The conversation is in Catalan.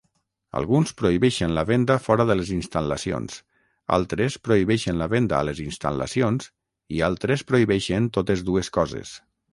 Alguns prohibeixen la venda fora de les instal·lacions, altres prohibeixen la venda a les instal·lacions i altres prohibeixen totes dues coses.